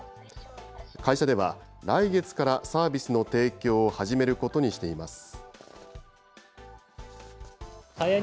会社では、来月からサービスの提供を始めることにしています。